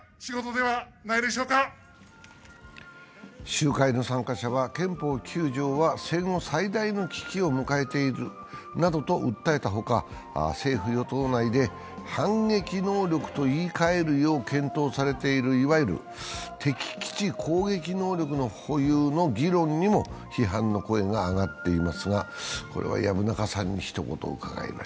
集会の参加者は憲法９条は戦後最大の危機を迎えているなどと訴えたほか政府・与党内で反撃能力と言い換えるよう検討されているいわゆる敵基地攻撃能力の保有の議論にも批判の声が上がっています。